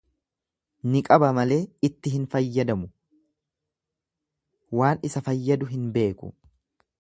Ni qaba malee itti hin fayyadamu, waan isa fayyadu hin beeku.